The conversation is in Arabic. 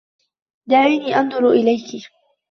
دعيني أنظر إليكِ.